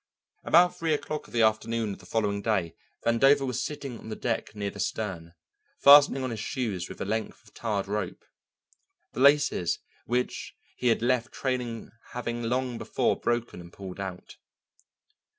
About three o'clock of the afternoon of the following day Vandover was sitting on the deck near the stern, fastening on his shoes with a length of tarred rope, the laces which he had left trailing having long before broken and pulled out.